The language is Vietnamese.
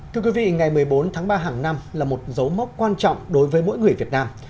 thưa quý vị ngày một mươi bốn tháng ba hàng năm là một dấu mốc quan trọng đối với mỗi người việt nam